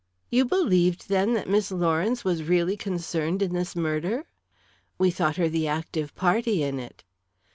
"You believed, then, that Miss Lawrence was really concerned in this murder?" "We thought her the active party in it."